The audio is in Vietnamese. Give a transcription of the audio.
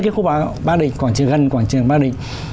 khu ba định quảng trường gân quảng trường ba định